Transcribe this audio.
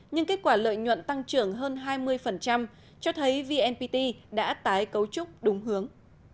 nhưng kết quả lợi nhuận tăng trưởng hơn hai mươi cho thấy vnpt đã tái cấu trúc đúng hướng